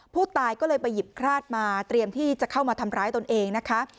ผู้ตายก็เลยไปหยิบคราดมาเตรียมที่จะเข้ามาทำร้ายตนเองนะคะ